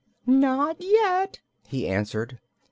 "Not yet," he answered.